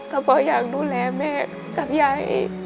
ก็เพราะอยากดูแลแม่กับยาย